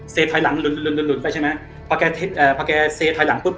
เสียถอยหลังหลุนหลุนหลุนหลุนไปใช่ไหมพอแกเท็จอ่าพอแกเสียถอยหลังปุ๊บ